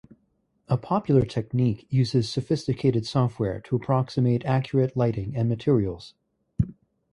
A popular technique uses sophisticated software to approximate accurate lighting and materials.